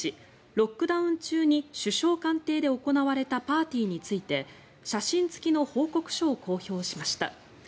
ロックダウン中に首相官邸で行われたパーティーについて写真付きの報告書を公表しました。